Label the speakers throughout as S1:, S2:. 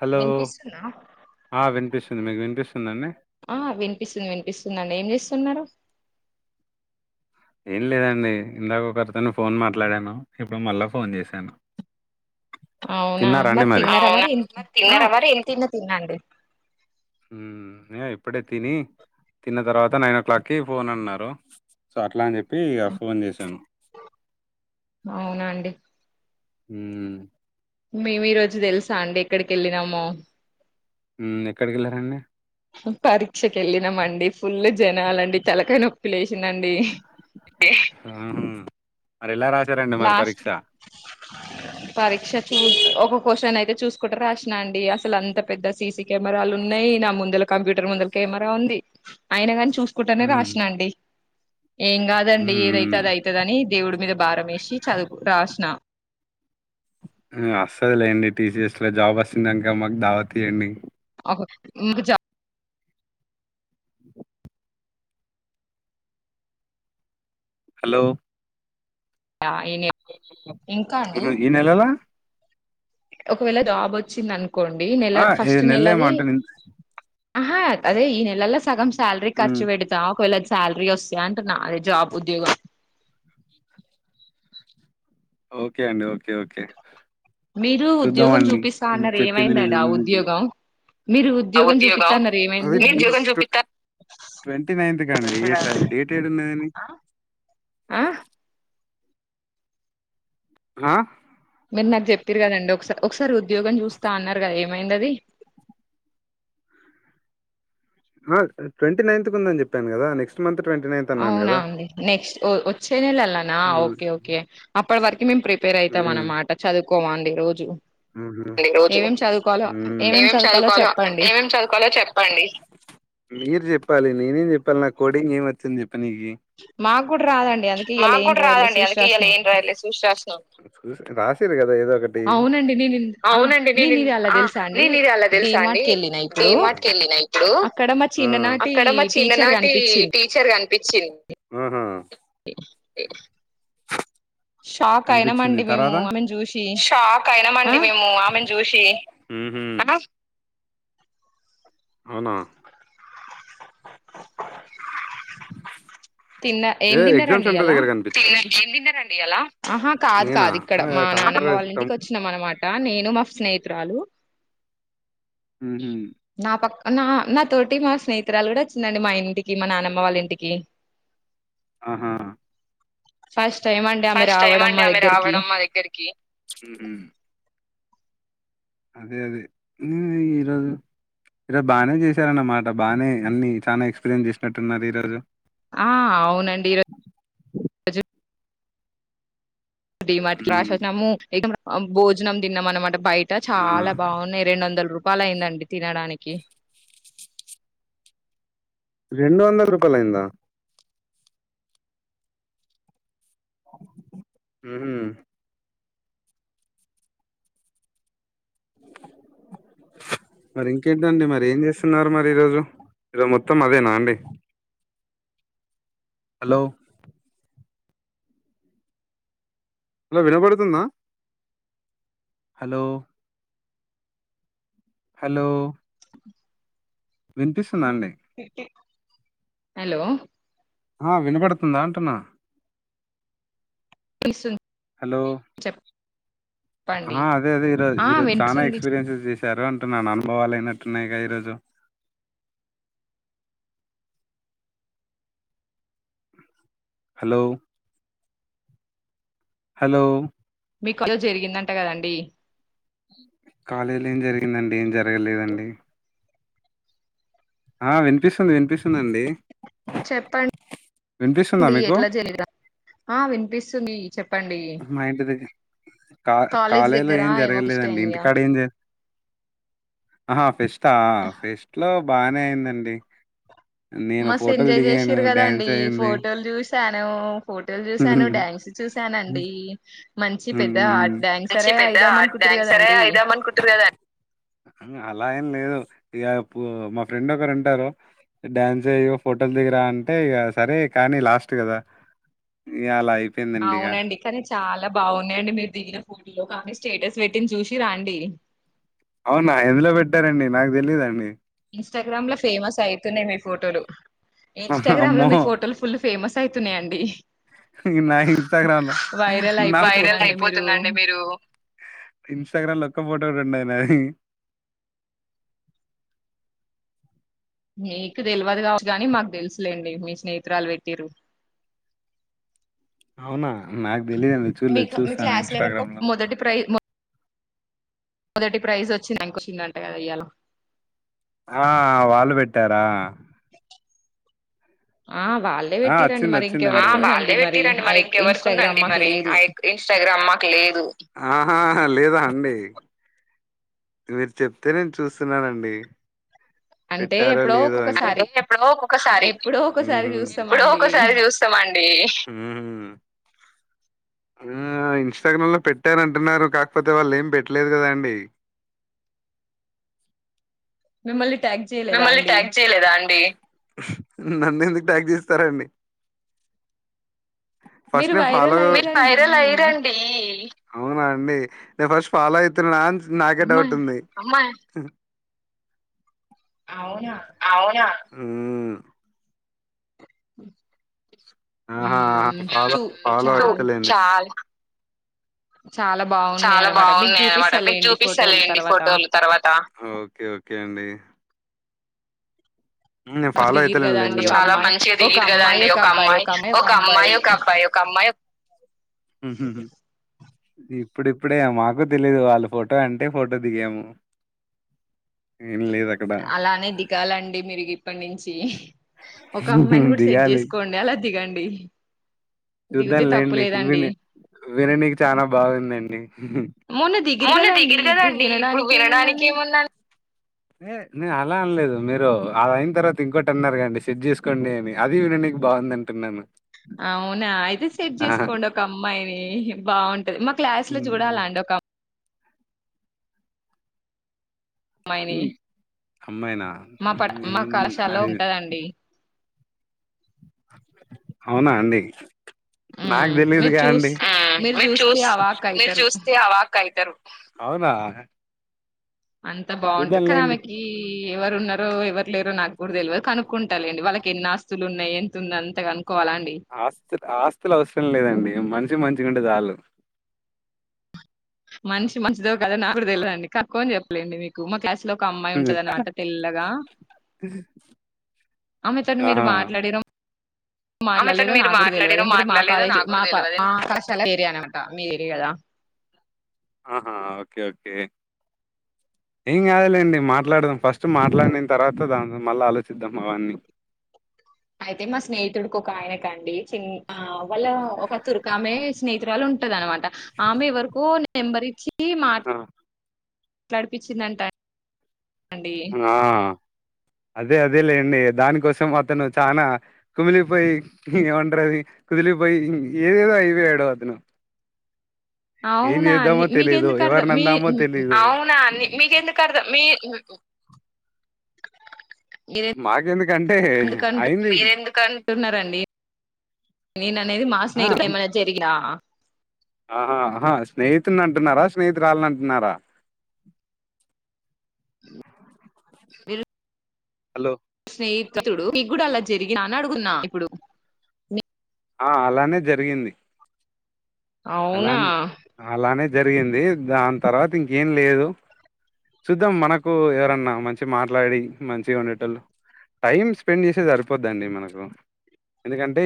S1: Hello
S2: వినిపిస్తుందా
S1: అ విన్పిస్ మీకు వినిపిసు
S2: ఆ వినిపిస్తుంది వినిపిస్తుంది అండి ఏం చేస్తు స్తున్నారు
S1: ఏం లేదండి ఇందాక ఒకరితోను ఫోన్ మాట్లాడాను ఇప్పుడు మళ్ళా ఫోన్ చేశాను
S2: అవునా
S1: తిన్నారా అండి
S2: మరి తిన్నార
S1: అవునా
S2: మరి ఆ
S1: తిన్నారా మరి
S2: తిన్న తిన్నండి.
S1: అ ఇప్పుడే తిని తిన్న తర్వాత నైన్ ఓ క్లాక్కిి ఫోన్ అన్నారు. సో అట్లా అని చెప్పి ఫోన్ చేశాను.
S2: అవునాండి
S1: మ్
S2: మేము ఈ రోజు తెలుసా అండి ఎక్కడికి ఎల్లినామో
S1: ఉమ్ ఎక్కడికి వెళ్ళారంండి
S2: పరీక్షకు వెళ్ళినామండి ఫుల్ జనాలండి తలకాయినొప్పి లేసి
S1: ఆహ మరి ఎలా రా రండి మరి
S2: లాస్ట్
S1: పరీక్ష
S2: పరీక్ష చూ ఒక క్వశ్చన్ అయితే చూసుకుంట రాసిన అండి అసలు అంత పెద్ద సీసీ కెమెరాలు ఉన్నాయి. నా ముందల కంప్యూటర్ ముందల కెమెరా ఉంది. అయిన గాని చూ చసుకుంటనే
S1: మ్మ్
S2: రాసినండి ఏం కాదండి ఏదైతే అది అయితదని దేవుడి మీద భారం మే ఈ చదువు రాసనా ఆ
S1: ఉ వస్తది లేండి టీసీఎస్ లో జాబ్ వస్తుందక మాకు దావతీయండి.
S2: మీకు చెప్
S1: హలో
S2: చాలా అయినయి ఇంకా అండి
S1: ఏనెలలో
S2: ఒకవేళ జాబ్ వచ్చింది అను కొండి నెల
S1: ఆ ఈ
S2: ఫస్ట్
S1: నెల ఏమో
S2: నెలది
S1: అంట
S2: ఆహా అదే ఈ నెలలో సగం సాలరీ
S1: హ్మ్
S2: ఖర్చు పెడతా ఒకవేళ సాలరీ వస్తే అంటున్న అదే జాబ్ ఉద్యోగం
S1: ఓకే అండి ఓకే ఓకే ఓకే
S2: మీరు ఉద్యోగం
S1: చూద్దామండి
S2: చూపిస్తా అన్నారు
S1: చెప్పింది
S2: ఏమైందండి ఆ ఉద్యోగం మీరు ఉద్యోగం చూపిత్తా అన్నారు ఏమైంది అండి
S1: [unintelligible] ట్వంటీ నైత్ కండి
S2: చెప్పినండి
S1: డేట్ ఏడున్నదని
S2: ఆ
S1: ఆ
S2: మీరు నాకు చెప్పార్రి కదండి ఒక ఒకసారి ఉద్యోగం చూస్తా అన్నారు కదా ఏమైంది అది
S1: ఆ ట్వంటీ నైన్త్ కు ఉందని చెప్పాను కదా నెక్స్ట్ మంత్ అన్నాను
S2: అవునా
S1: గదా!
S2: అండి నెక్స్ట్ఓ ఓ వచ్చేనెలలోన
S1: హ్మ్.
S2: ఓకే ఓకే అప్పటి వరకు మేం ప్రిపేర్ అయితాం అనన్నమాట చదువు కోమండి రోజు
S1: ఉహు ఈ రోజు
S2: ఏమేం చదువుకోవాలో
S1: ఊ
S2: ఏమేం చదువుకోవాలో చెప్పండి
S1: పల్ల కోడింగ్ ఏమ వచ్చింది
S2: మాకు కూడా రాదండి అందుకే ఇయ్యాల
S1: మాకు
S2: ఏం
S1: కూడా
S2: రాయలే
S1: రాదండి
S2: చూసి
S1: అందుకే ఇలా
S2: రాసినాం
S1: ఏం రాయలేదు చూసిస్తున్నాం [unintelligible] ఏదా కటి
S2: అవునండి నేను ఆ
S1: అవునండి నేను
S2: ఇది అలా తెలుసా అండి
S1: నేను ఇది అలా తెలుసా
S2: డిమార్ట్
S1: అండి
S2: కి వెళ్ళిన ఇప్పుడు
S1: డమాట్కి వెళ్ళిన ఇప్పుడు
S2: అక్కడ మా చిన్ననాటి
S1: అక్కడ మా
S2: టీచర్
S1: చిన్ననాటి
S2: కనిపించింది
S1: టీచర్గాను పిచ్చ ఏ
S2: షాక్
S1: కనిపించింది
S2: అయినామండి మేము
S1: తర్వాదా
S2: ఆమెను చూసి
S1: షాక్
S2: ఆ
S1: అయినండి మేముమె అనా
S2: తిన్న ఏం
S1: ఏ ఎక్జామ్
S2: తిన్నారండి
S1: సెంటర్
S2: ఇయ్యాల
S1: దగర కనిపి ఎల్లి
S2: ఆహా కాదు కాదు ఇక్కడ మా
S1: టమాటా
S2: నానమ్మ
S1: రైస్
S2: వాళ్ళ ఇంటికి
S1: టమ్-
S2: వచ్చినాం అనమాట నేను మా స్నేహి త్రాలు
S1: మ్హూ.
S2: నాపక్ నా నాతోటి మా స్నేహితురాలు కూడా వచ్చిందండి మా ఇంటికి మా నానమ్మ వాళ్ళ ఇంటికి
S1: ఆహా
S2: ఫస్ట్ టై
S1: ఫస్ట్ ఏమ అండి ఆమె రావడం మా దగ్గరికి అదే అదే ఈరోోజు ఈరోజు బాగానే చేశారన్నమాట బాగానే అన్ని చాలా ఎక్స్పీరియన్స్ చేసినట్టున్నారు ఈ రోజు
S2: ఆ అవునండి ఈరోజ క్రాష్
S1: హ్మ్
S2: వచ్చిన భోజనం తిన్నాం అనమాట బయట ఇ
S1: ఆ
S2: చాలా బాగున్నాయి రెండు వందల రూపా పప్పాలయిందండి తినడానికి
S1: రెండు వందల రూపాయలయిందా హ మరి ఇంకేంటండి మరి ఏం చేస్తున్నారు మరి ఈరోజు ఈరోజు మొత్తం అదేనా అండి హలోలో అలా వినపడుతుందా హలో హలో వినిపిస్తుందండి
S2: హలో
S1: ఆ వినపడుతుందా అంటున్నా
S2: ని
S1: హలో
S2: చెప్పండి.
S1: అదే అదే ఈరో
S2: ఆ!
S1: ఈరోజు చనాా
S2: వినిపిస్తుంది.
S1: ఎక్స్పీరియన్సెస్ చేసి సారు అంటున్నాను అనుభవాలు అయినట్టున్నాయిగా ఈరోజు హలో హలో
S2: మీకు జరిగిందంట కదండి
S1: కాలళీ ఏ జరిగిందండి ఏం జరి జరగలేదండి ఆ వినిపిస్తుంది వినిపిస్తుందిండి
S2: చెప్పండి డి
S1: మీకు
S2: ఎట్లా జరివిరా ఆ వినిపిస్తుంది చెప్పండి.
S1: మా ఇంటిది కా
S2: కాలేజీ
S1: కాలేలో
S2: దగ్గర
S1: ఏం
S2: ఏమో ఫెస్ట్
S1: జరగలేదండి
S2: అయిందిగా.
S1: ఇంటికాడ ఏం ఆహా ఫెస్ట్ా ఫెస్ట్ లో బానే అయిందండి నేను
S2: మస్
S1: ఫోటోలు
S2: ఎంజాయ్
S1: దిగాను
S2: చేసారు కదాండి
S1: డ్యాన్స్ అయింది
S2: ఫోటోలు చూసాను ఫోటోలు
S1: హ్మ్
S2: చూసాను డ్యాన్స్ చూసాను
S1: హ్మ్.
S2: అనండి
S1: మంచి పెద్ద
S2: అనుకుంటుర్రు కదండీ.
S1: [unintelligible] అయిద్దామనుకుంటుారు కద అలా ఇకప్పు మా ఫ్రెండ్ ఒకరు ఉంటారు డ్యాన్స్ చెయ ఫోటోలు దిగరా అంటే ఇక సరే కానీ లాస్ట్ కదా ఇక
S2: అవునండి కానీ చాలా బాగున్నాయండి మీరు దిగిన ఫోటోలో కానీ స్టేటస్ పెట్టిన చూసి రండి
S1: అవునా ఎందులో పెట్టారండి నాకు తెలీదుండి
S2: ఇన్స్టాగ్రామ్ లో ఫేమస్ అవుతున్నాయి మీ ఫోటోలు ఇన్స్టాగ్రామ్ లో
S1: అమ్మో
S2: మీ ఫోటోలు ఫుల్ ఫేమస్ అయితున్నాయండి.
S1: నా ఇన్స్టాగ్రామ్ లో
S2: వైరల్ అయిపోతుందండి మీరు
S1: అతుం మీ ఇంస్టాగ్రామ్ లో ఒక్క ఫోటో మ
S2: మీకు తెలియదు కావచ్చదు కానీ మాకు తెలుసులేండి మీ స్నేహితురాలు పెట్టిరు
S1: అవునా నాకు తెలీదుండి చూలేదు
S2: మీకు మీ
S1: చూస్తాను
S2: క్లాస్ ఎవరికో
S1: ఇంస్టాగ్రామ్ లో
S2: మొదటి ప్రై మొదటి ప్రైజ్ వచ్చింది ఇంక వచ్చిందంటే కదా ఇయలా
S1: ఆ వాళ్ళు పెట్టారా
S2: ఆ వాళ్ళే పెట్టిరండి మరి
S1: చ్చిచ్చి వాళ్ళే
S2: ఇంకెవరికుందండి
S1: పెట్టిరండి
S2: ఆ
S1: మరి ఇంకెవరికు
S2: ఇన్స్టాగ్రామ్
S1: ఉందండి
S2: మాకు
S1: మరి
S2: లేదు.
S1: ఆ ఇంస్టాగ్రామ్ మాకు లేదు లేదా అండి మీరు చెప్తే నేను చూస్తున్నానండి
S2: అంటే
S1: పెట్టారా
S2: ఎప్పుడో
S1: లేద అే
S2: ఒక్కొక్కసారి
S1: ఎప్పుడో ఒొక్కసారి
S2: ఎప్పుడో ఒకసారి
S1: ఎప్పుడో
S2: చూస్తామండి.
S1: ఒక్కసారి చూస్తామండి ఆ ఇన్స్టాగ్రామ్ లో పెట్టార అంటున్నారు కాకపోతే వాళ్ళు ఏమి పెట్టలేదు కదాండి
S2: [unintelligible]
S1: మిమ్మల్ళీ
S2: అండి
S1: ట్యాక్ చేయలేదా అండి నన్ను ఎందుకు ట్యాక్ చేస్తారాండి
S2: మీరు
S1: ఫస్ట్ ఫా
S2: వైరల్ అయ్యిరండి
S1: వైరల్ అయరండి అవునా అండి నేను ఫస్ట్ ఫలో అయితు నా నాకే
S2: అమ్మా
S1: డౌట్ ఉంది
S2: అవునా
S1: అవునా ఆ
S2: అ
S1: ఆహాహా ఫాలో ఫాలో అంతే
S2: చాలా
S1: లేండి
S2: చాలా బాగున్నాయి
S1: చాలా
S2: అనమాట మీకు
S1: బాగున్నాయి అనమాట మీకు
S2: చూపిస్తలేండి ఫోటోలు
S1: చూపిస్తలేండి
S2: తర్వాత
S1: ఫోటోలు తర్వాత అఓకే ఓకే అండి ఫాలో
S2: దిగిరు కదా
S1: అయితలేం
S2: అండి ఒక
S1: చాలా
S2: అమ్మాయి
S1: మంచిగా
S2: ఒక
S1: దిగిండ్రు కదా
S2: అమ్మాయి
S1: అండి ఒక
S2: అబ్బాయి
S1: అమ్మాయి ఒక
S2: అబ్బాయి
S1: అమ్మాయి ఒక అబ్బాయి ఒక అమ్మాయి హు హూ ఇప్పుడిప్పుడే మాకు తెలీదు వాళ్ళ ఫోటో అంటే ఫోటో దిగాము ఏం లేదు అక్క
S2: అలానే దిగాలండి మీరు గిప్పటినుంచి నుంచి ఒక అమ్మాయిని కూడా సెట్
S1: దిగాలి
S2: చేసుకోండి అలా దిగండి
S1: చూద్దాం
S2: దిగితే
S1: లేండి
S2: తప్పులేదండి
S1: విని విననికి చాలా బాగుందండి మొన్న అవును దిగిరు కదండి ఇప్పుడు వినడానికి ఏముంది అండి అలా అనలేదు మీరు అది అయిన తర్వాత ఇంకోటి అన్నారు అండి సెట్ చేసుకోండి అని అది విన నీకు బాగుంది అంటున్నాను
S2: అవునా అయితే సెట్ చేసుకోండి ఒక అమ్మాయిని బాగుం మా క్లాస్ లో
S1: ఉమ్,
S2: చూడాల అండి ఒక అమ్మాయిని
S1: ఉమ్, అమ్మాయినా
S2: మా పడ మా
S1: నేను-
S2: కళాశాల
S1: అది
S2: ఉంటదండి
S1: అవునా అండి నాకు
S2: మ్మ్ మీరు
S1: తెలీదుగా
S2: చూస్
S1: అండి మీరు చూ
S2: చూస్తే అవాక్
S1: మీరు
S2: అయితారు
S1: చూస్తే అవాక్క అవుతారు అవునా
S2: అంత బాగుంటది కానీ
S1: చూద్దాంలేండి
S2: ఆమెకి ఎవరున్నారో ఎవరు లేరు నాకు కూడా తెలవదు కనుకుంటా లేండి వాళ్ళకి ఎన్ని ఆస్తులు ఉన్నాయి ఎంతఉంది అంత కనుక్కోవాలా అండి
S1: ఆస్తు ఆస్తులు అవసరం లేదండి మనిషి మంచిగా ఉంటే చళ్ళు
S2: మనిషి మంచిదో కాదో నాకుడ తెలిదండి కనుక్కొని చెప్పత లేండి మీకు మా క్లాస్ లో ఒక అమ్మాయి ఉంటద అనమాట తెల్లగా ఆమె త మీరు
S1: ఆహా
S2: మాట్లాడిన
S1: ఆమెతోటి
S2: మాట్లాడలేదో
S1: మీరు
S2: నాకు కూడా తెలియదు
S1: మాట్లాడిరో
S2: ఎందుకంటే మా
S1: మాట్లాడలేదో
S2: కాలేజీ
S1: నాకు
S2: మా
S1: కూడా తెలవదు
S2: కళాశాల ఏరియా అనమాట మీరేగాధ
S1: ఆహా ఓకే ఓకే ఏం గాదులేండి మాట్లాడదాం ఫస్ట్ మాట్లాడిన తర్వాత దాని మళ్ళీ ఆలోచిద్దాం అవన్నీ
S2: అయితే మా స్నేహితుడికి ఒక ఆయనకండి చి న్న హా వళ్ళ ఒక తురకమే స్నేహితురాలు ఉంటది అన్న మాట ఆమె ఎవరికో నెంబర్ ఇచ్చి
S1: ఆహా.
S2: నడిపిచిందంటా.
S1: ఆ అదే అద్. అదే లేండి దానికోసం అతను చానా కుమిలిపోయి ఏమంటారది కుదిలిపోయి ఏదేదో అయిపోయాడు అతను. ఏం
S2: అవునా ని
S1: చేద్దామో తెలీదు
S2: మీకెందుకు అర్థం మీ
S1: ఎవర్ణందమో
S2: హ్మ్. హ్మ్.
S1: తెలిదు. కర్ద మీ.. ఊ ఊ...
S2: మీరె దుకంటు
S1: అయింది మీరెందుకన్
S2: న్నారండి నేను అనేది మా
S1: ఆ
S2: స్నేహి [unintelligible]
S1: అం
S2: ఏమైనా జరిగిన.
S1: ఆహా అహా స్నేహితునంటున్నారా! స్నేహితురల్నంటున్నారా?
S2: మీరు
S1: హలో.
S2: స్నేహితుడు మిక్ గూడా అలా జరిగందా అని అడుగున్నాను ఇప్పుడు.
S1: ఆ అలానే జరిగింది.
S2: అవునా!.
S1: అలానే అలానే జరిగింది. దాన్ తర్వాత ఇంకేం లేదు, చూద్దాం మనకు ఎవరన్నా మంచి మాట్లాడి, మంచిగా ఉండేటొళ్ళు. టైం స్పెండ్ జేసే సరిపోద్దండి మనకు, ఎందుకంటే.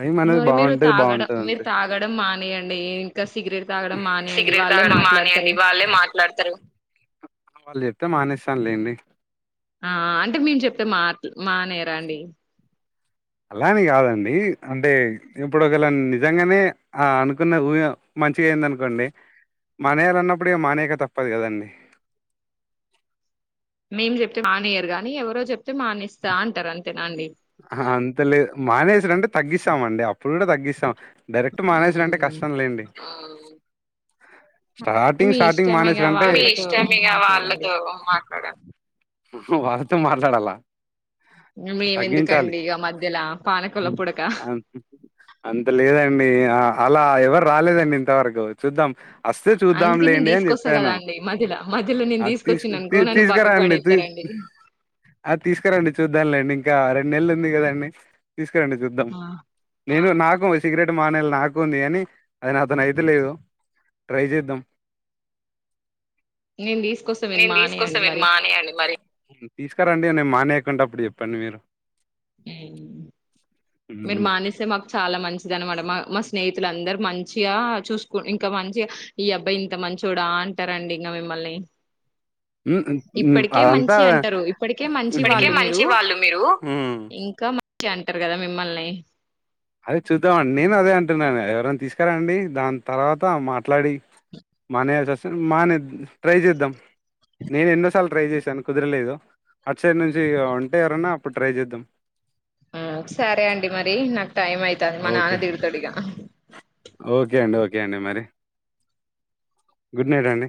S1: అయిం అనేది
S2: మరి మీరు
S1: బాంటే
S2: తాగడం మీరు
S1: బాంటదంతే.
S2: తాగడం మానేయండి, ఇంకా సిగరెట్ తాగడం మానేయండి,
S1: సిగరెట్
S2: వాళ్ళే
S1: తాగడం
S2: మాట్లాడతారు.
S1: మానేయండి వాళ్ళే మాట్లాడతారు వాళ్ళు జేప్తే మానేసానులేండి.
S2: ఆ అంటే మేము చెప్తే మాట్లూ.. మానేరాండి.
S1: అలాని గాదండి అంటే ఇప్పుడు ఒకలా నిజంగానే ఆ అనుకున్న ఊయ మంచిగా అయిందనుకోండి మానేయలన్నప్పుడూ ఇగ మానెయ్యాక తప్పదు కదండి. !
S2: మేము జేప్తే మానేయరుగాని, ఎవరో జేప్తే మానేస్తా అంటారు అంతేనాండి.
S1: ఆ అంతలేదు మానేసుడు అంటే తగ్గిసమండి అప్పుడు కూడా తగ్గిసం. డైరెక్ట్ మానేసుడంటే
S2: మ్మ్.
S1: కష్టం లేండి. ఆహ్మ్. స్టార్టింగ్
S2: మీ
S1: స్టార్టింగ్
S2: ఇష్టం ఇగ
S1: మానేసారు అంటే.
S2: వాళ్ళతో మాట్లాడండి
S1: ఊహు వాళ్ళతో మాట్లాడాలా!. తగ్గించాలి.
S2: మేమెందుకండి ఇగ మధ్యలా పానకంల పుడక
S1: ఆన్ అంత లేదండి. ఆ అలా ఎవరు రాలేదండి ఇంతవరకు చూద్దాం. అస్తే
S2: అందుకే నేను
S1: చూద్దాంలేండి అని
S2: తీసుకొస్తా కదా
S1: జేప్పాను,
S2: అండి మధ్యల మధ్యలో నేను
S1: అది తిస్..
S2: తీసుకొచ్చిన
S1: తీ,
S2: అనుకో నన్ను బక్కకు
S1: తీసుకరండి, తీ
S2: పడేస్తారండి
S1: అది తీసుకరండి. చూద్దాంలేండి ఇంకా రెండు నెల్లుంది గదండి. తీస్కరండి చూద్దాం.
S2: ఆ,
S1: నేను నాకు సిగరెటు మానేల్ని నాకు ఉంది గాని, అది నాతొనైతలేదు. ట్రై జేద్దాం.
S2: నేను తీసుకొస్తా మీరు
S1: నేన్ దీసుకొస్తా
S2: మానేయండి
S1: మీర్
S2: మరి
S1: మానేయండి మరి. ఊ తీసుకరండి,. నేను మానేయకుంటాప్పుడు జెప్పండి మీరు.
S2: ఊ మీరు
S1: ఉమ్,
S2: మానేసే మాకు. చాలా మంచిదన్నమాట మా మా స్నేహితులందర మంచిగా చూసుకు ఇంకా మంచిగా ఈ అబ్బాయి ఇంత మంచొడా అంటారండి ఇంగా మిమ్మల్ని. !
S1: హు హృ హు అదంతా
S2: ఇప్పటికే మంచి వాళ్ళు మీరు
S1: హు
S2: ఇంకా మంచి అని టారు కదా మిమ్మల్ని
S1: అదే చూద్దామన్. నేను అదే అంటున్నాను ఎవరైనా తీసుకురండి. దాన్ తర్వాత మాట్లాడి మానేయలస్సాస్ మానేద్ ట్రై చేద్దాం నేను ఎన్నోసార్లు ట్రై చేశాను. కుదరలేదు అటసైడ్ నుంచి ఇగా ఉంటే ఎవరన్నా అప్పుడు ట్రై చేద్దాం.
S2: ఆ సరే అండి. మరి నాక్ టైమ్ అయితాన్ మా
S1: ఓకే
S2: నాన్న తిడుతడు ఇగా
S1: కేండి మరి. గుడ్ నైట్ అండి